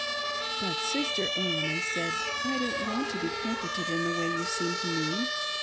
" But, Sister Ann," I said, " I don't want to be comforted in the way you seem to mean.